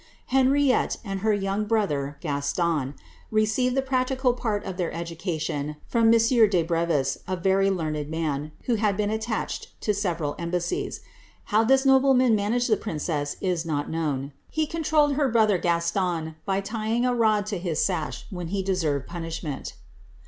Henriette, and her young brother, Gaston, received the practical part of their education from M. de Brevis, a very learned man, who had been attached to several embassies. How this nobleman managed the princess is not known : he controlled her brother Gaston, by tying a rod to his 8a.«h when he deserved punishment.